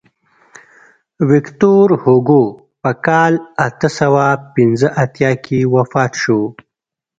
ویکتور هوګو په کال اته سوه پنځه اتیا کې وفات شو.